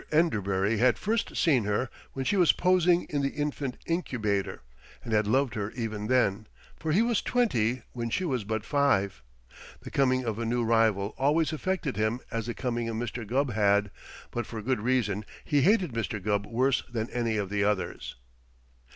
Enderbury had first seen her when she was posing in the infant incubator, and had loved her even then, for he was twenty when she was but five. The coming of a new rival always affected him as the coming of Mr. Gubb had, but for good reason he hated Mr. Gubb worse than any of the others.